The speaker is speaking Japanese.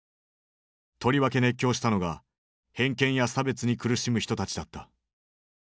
とりわけ熱狂したのが偏見や差別に苦しむ人たちだった。